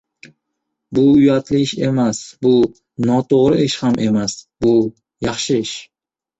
Bu uyatli ish emas, bu notoʻgʻri ish ham emas. Bu yaxshi ish.